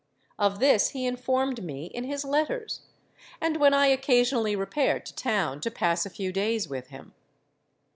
Of this he informed me in his letters, and when I occasionally repaired to town to pass a few days with him.